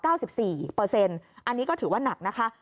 อันนี้ก็ถือว่านักนะคะ